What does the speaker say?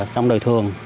trong đời thường